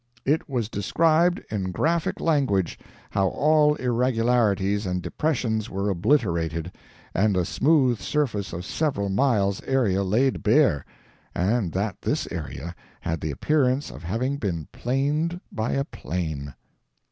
It was described, in graphic language, how all irregularities and depressions were obliterated, and a smooth surface of several miles' area laid bare, and that this area had the appearance of having been PLANED BY A PLANE."